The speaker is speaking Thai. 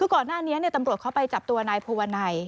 คือก่อนหน้านี้ตำรวจเข้าไปจับตัวนายภูวนัย